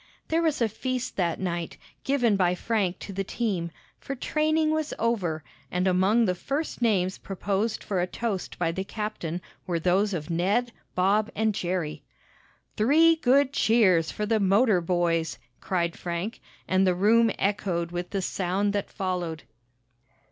There was a feast that night, given by Frank to the team, for training was over, and among the first names proposed for a toast by the captain were those of Ned, Bob and Jerry. "Three good cheers for the motor boys!" cried Frank, and the room echoed with the sound that followed.